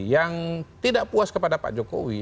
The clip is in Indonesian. yang tidak puas kepada pak jokowi